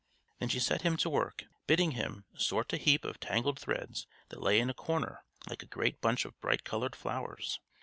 Then she set him to work, bidding him sort a heap of tangled threads that lay in a corner like a great bunch of bright colored flowers.